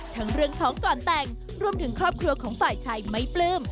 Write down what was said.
ทั้งเรื่องท้องก่อนแต่งรวมถึงครอบครัวของฝ่ายชายไม่ปลื้ม